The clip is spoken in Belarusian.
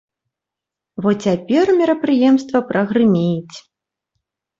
Во цяпер мерапрыемства прагрыміць!